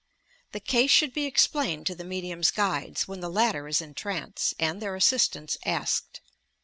The case should be explained to the medium's guides, when the latter is in trance, and their assistance asked.